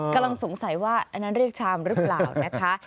กำลังสงสัยว่าอันนั้นเรียกชามหรือเปล่านะคะ